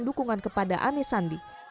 dukungan kepada anisandi